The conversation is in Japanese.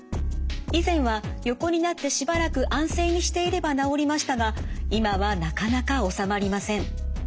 以前は横になってしばらく安静にしていれば治りましたが今はなかなか治まりません。